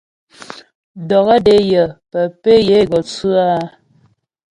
Dɔkɔ́́ dé yə pə pé yə́ é gɔ tsʉ áa.